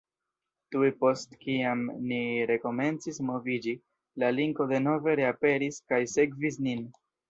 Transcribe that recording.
Tuj post kiam ni rekomencis moviĝi, la linko denove reaperis kaj sekvis nin.